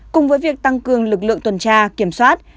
cùng với việc tăng cường lực lượng tuần tra kiểm soát